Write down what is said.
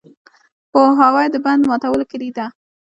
پوهاوی د بند ماتولو کلي ده.